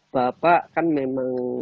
bapak kan memang